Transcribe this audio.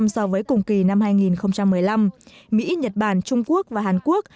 so với cùng kỳ năm hai nghìn một mươi năm mỹ nhật bản trung quốc và hàn quốc